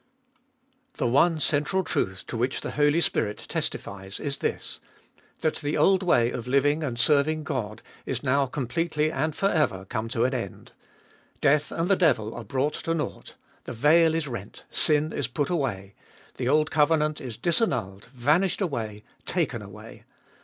1. The one central truth to which the Holy Spirit testifies is this : that the old way of liuing and serving God is now completely and for ever come to an end. Death and the devil are brought to nought ; the veil is rent ; sin is put away; the old covenant is disannulled, vanished away, taken away.